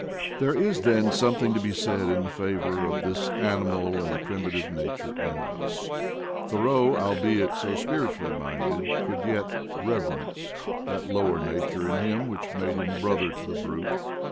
There is then something to be said in favor of this animal and primitive nature in us. Thoreau, albeit so spiritually minded, could yet "rever ence" that lower nature in him which made him brother to the brute.